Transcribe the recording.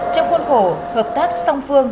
trong khuôn khổ hợp tác song phương